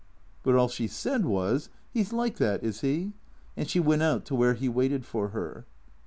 But all she said was, " He 's like that, is he ?" And she went out to where he waited for her.